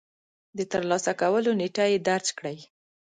د ترلاسه کولو نېټه يې درج کړئ.